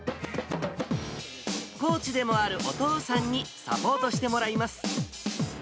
コーチでもあるお父さんにサポートしてもらいます。